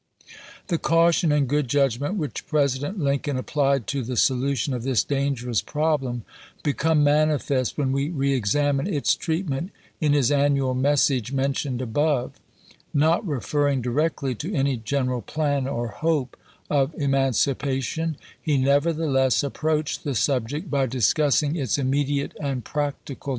The caution and good judgment which President Lincoln applied to the solution of this dangerous problem become manifest when we reexamine its treatment in his annual message mentioned above. Not referring directly to any general plan or hope of emancipation, he nevertheless approached the subject by discussing its immediate and practical Lincoln to Bancroft, Nov. 18, 1861. MS. 204 ABKAHAM LINCOLN Chap. xn.